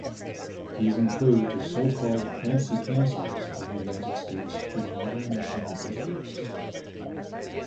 These include the so-called fancy cancels of United States to modern machine postmarks.